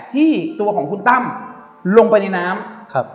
ที่ตัวของคุณต้ำลงไปในน้ำ